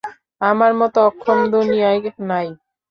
আমার মতো অক্ষম দুনিয়ায় নাই।